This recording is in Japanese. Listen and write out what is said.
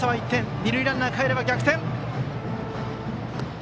二塁ランナー、かえれば逆転。